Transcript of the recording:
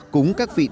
cúng các vị tiền